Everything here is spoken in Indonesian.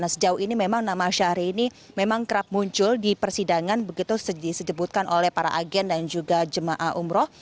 sejauh ini memang nama syahri ini memang kerap muncul di persidangan begitu disebutkan oleh para agen dan juga jemaah umroh